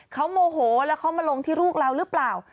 เขาโมโหแล้วเขามาลงที่ลูกเราหรือเปล่า